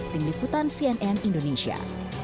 tim liputan cnn indonesia